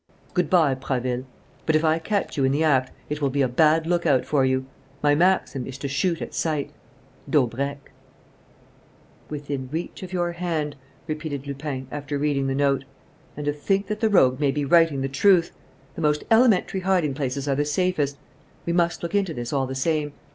Good bye, Prasville. But, if I catch you in the act, it will be a bad lookout for you: my maxim is to shoot at sight. "DAUBRECQ" "'Within reach of your hand,'" repeated Lupin, after reading the note. "And to think that the rogue may be writing the truth! The most elementary hiding places are the safest. We must look into this, all the same.